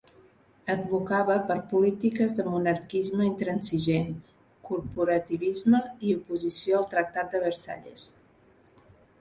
Advocava per polítiques de monarquisme intransigent, corporativisme i oposició al Tractat de Versalles.